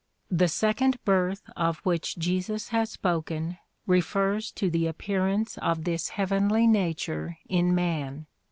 The second birth of which Jesus has spoken refers to the appearance of this heavenly nature in man.